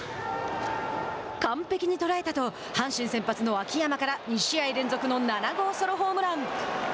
完璧に捉えたと阪神先発の秋山から２試合連続の７号ソロホームラン。